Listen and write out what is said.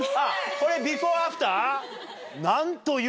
これビフォーアフター？